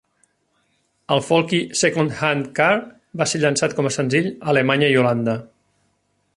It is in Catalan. El folky "Second Hand Car" va ser llançat com a senzill a Alemanya i Holanda.